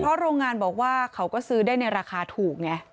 เพราะโรงงานบอกว่าเขาก็ซื้อได้ในราคาถูกไง